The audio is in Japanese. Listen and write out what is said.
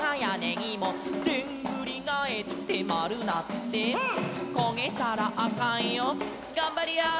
「でんぐりがえってまるなって」「こげたらあかんよがんばりやー」